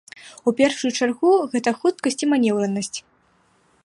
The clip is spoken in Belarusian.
У першую чаргу, гэта хуткасць і манеўранасць.